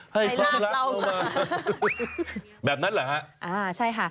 ให้ความรักเรามาแบบนั้นเหรอฮะอ่าใช่ค่ะ